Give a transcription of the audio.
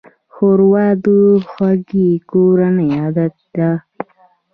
ښوروا د خوږې کورنۍ عادت ده.